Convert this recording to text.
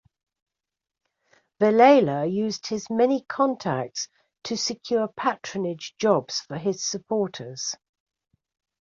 Velella used his many contacts to secure patronage jobs for his supporters.